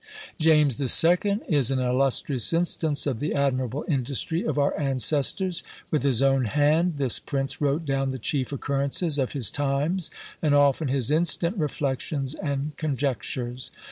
James the Second is an illustrious instance of the admirable industry of our ancestors. With his own hand this prince wrote down the chief occurrences of his times, and often his instant reflections and conjectures.